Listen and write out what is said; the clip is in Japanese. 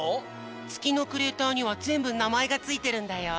つきのクレーターにはぜんぶなまえがついてるんだよ。